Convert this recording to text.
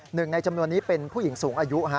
ในจำนวนนี้เป็นผู้หญิงสูงอายุ